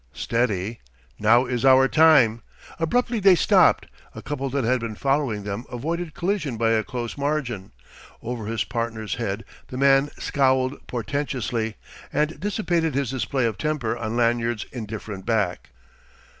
"Steady. Now is our time." Abruptly they stopped. A couple that had been following them avoided collision by a close margin. Over his partner's head the man scowled portentously and dissipated his display of temper on Lanyard's indifferent back.